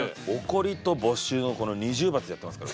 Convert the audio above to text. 怒りと没収のこの二重罰でやってますから。